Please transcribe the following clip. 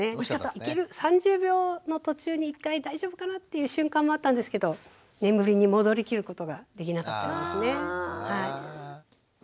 ３０秒の途中に１回大丈夫かな？っていう瞬間もあったんですけど眠りに戻り切ることができなかったですね。